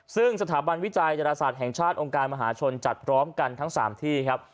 ซึ่งสถาบันวิจัยดาราศาสตร์แห่งชาติองค์การมหาชนจัดพร้อมกันทั้ง๓ที่ครับ